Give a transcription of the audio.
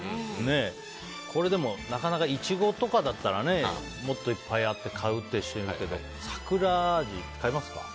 これでもなかなかイチゴとかだったらもっといっぱいあって買うっていう人いるけど桜味、買いますか？